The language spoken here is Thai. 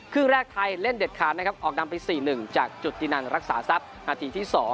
ครึ่งแรกไทยเล่นเด็ดขาดนะครับออกนำไป๔๑จากจุตินันรักษาทรัพย์นาทีที่๒